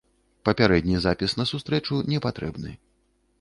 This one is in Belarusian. Папярэдні запіс на сустрэчу не патрэбны.